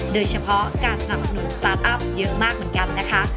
โดยเฉพาะการสนับสนุนสตาร์ทอัพเยอะมากเหมือนกันนะคะ